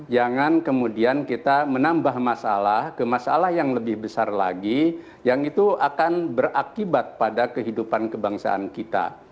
jangan kemudian kita menambah masalah ke masalah yang lebih besar lagi yang itu akan berakibat pada kehidupan kebangsaan kita